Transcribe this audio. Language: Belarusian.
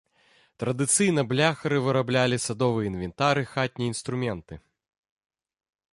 Традыцыйна бляхары выраблялі садовы інвентар і хатнія інструменты.